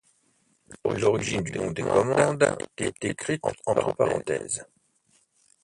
L'origine du nom des commandes est écrite entre parenthèses.